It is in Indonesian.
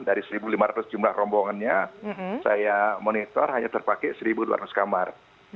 dari satu lima ratus jumlah rombongannya saya monitor hanya terpakai satu dua ratus kamar